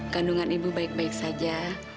kandungan ibu baik baik saja